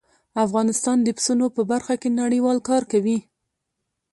افغانستان د پسونو په برخه کې نړیوال کار کوي.